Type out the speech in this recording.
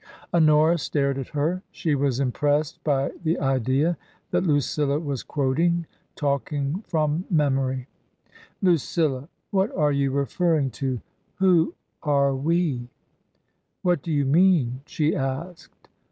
Honora stared at her. She was impressed by the idea that Lucilla was quoting — ^talking from memory. TRANSITION, 95 "LuciIIa! What are you referring to? Who are —' we' ? What do you mean ?" she asked.